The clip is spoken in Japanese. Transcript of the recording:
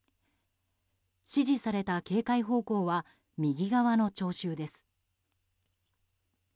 指示された警戒方向は右側の聴衆です。